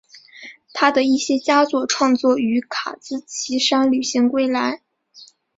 他的一些佳作创作于卡兹奇山旅行归来。